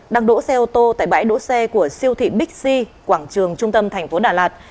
đang đỗ xe ô tô tại bãi đỗ xe của siêu thị big c quảng trường trung tâm tp đà lạt